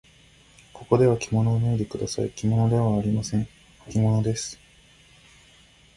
ここではきものを脱いでください。きものではありません。はきものです。